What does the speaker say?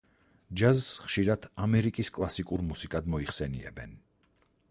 ჯაზს ხშირად „ამერიკის კლასიკურ მუსიკად“ მოიხსენიებენ.